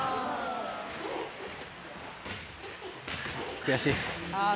・悔しい。